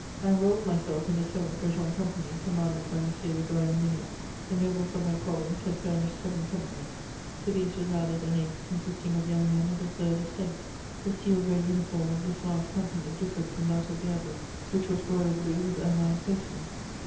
I enrolled myself in the seventh Breton Company, commanded by M. de Goyon Miniac. The nobles of my province had furnished seven companies; to these was added an eighth consisting of young men of the Third Estate: the steel grey uniform of this last company differed from that of the others, which was royal blue with ermine facings.